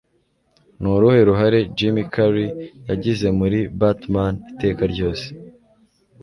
Ni uruhe ruhare Jim Carrey yagize muri Batman Iteka ryose